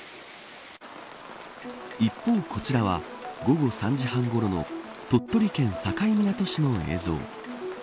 一方、こちらは午後３時半ごろの鳥取県境港市の映像。